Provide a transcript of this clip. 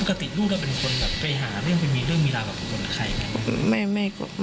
ปกติลูกเราเป็นคนแบบไปหาเรื่องไปมีเรื่องมีราวกับคนใครไง